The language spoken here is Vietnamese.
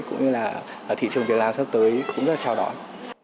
cũng như là thị trường việc làm sắp tới cũng rất là chào đón